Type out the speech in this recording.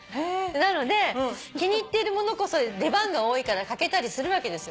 なので気に入っているものこそ出番が多いから欠けたりするわけですよ。